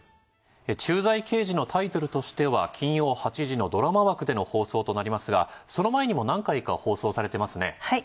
『駐在刑事』のタイトルとしては金曜８時のドラマ枠での放送となりますがその前にも何回か放送されてますね。